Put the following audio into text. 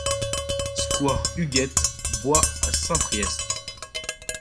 Square Huguette Bois à Saint-Priest